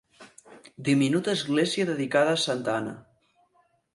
Diminuta església dedicada a Santa Anna.